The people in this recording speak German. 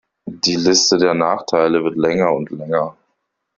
Die Liste der Nachteile wird länger und länger.